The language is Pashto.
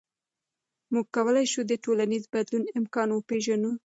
موږ کولی شو د ټولنیز بدلون امکان وپېژنو.